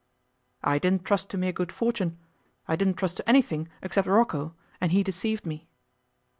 'I didn't trust to mere good fortune. I didn't trust to anything except Rocco, and he deceived me.